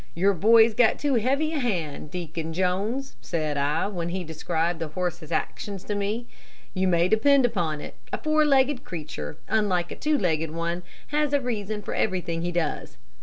'Your boy's got too heavy a hand, Deacon Jones,' said I, when he described the horse's actions to me. 'You may depend upon it, a four legged creature, unlike a two legged one, has a reason for everything he does.'